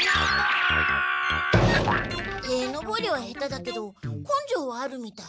へい登りは下手だけど根性はあるみたい。